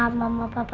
masa itu udah berakhir